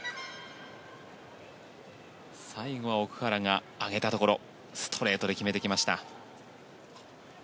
最後は奥原が上げたところをストレートで決めてきました。